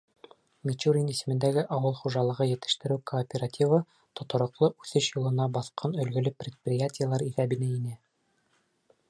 Мичурин исемендәге ауыл хужалығы етештереү кооперативы тотороҡло үҫеш юлына баҫҡан өлгөлө предприятиелар иҫәбенә инә.